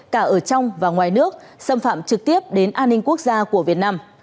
cả ở trong và ngoài nước xâm phạm trực tiếp đến an ninh quốc gia của việt nam